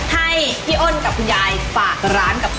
ให้พี่อ้นกับคุณยายฝากร้านกับเขา